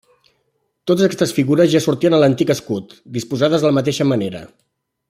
Totes aquestes figures ja sortien a l'antic escut, disposades de la mateixa manera.